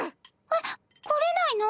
えっ来れないの？